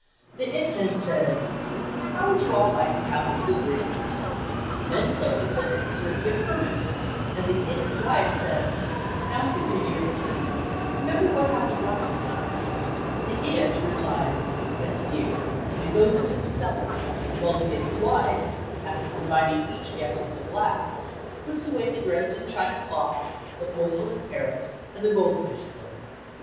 The "It" then says, "How would you all like to have a little drink?" The men players then answer in the affirmative and the "It's" wife says, "Now Henry dear, please—remember what happened last time." The "It" replies, "Yes, dear," and goes into the cellar, while the "It's" wife, after providing each guest with a glass, puts away the Dresden china clock, the porcelain parrot. and the gold fish globe.